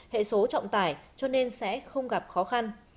hệ số trọng tải cho nên sẽ không gặp khó khăn